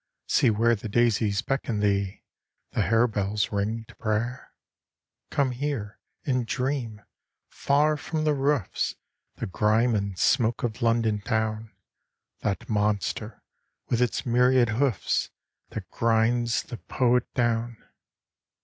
See where the daisies beckon thee; The harebells ring to prayer? "Come here and dream! far from the roofs, The grime and smoke of London Town, That monster, with its myriad hoofs, That grinds the poet down!"